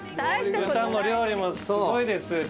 歌も料理もすごいですって。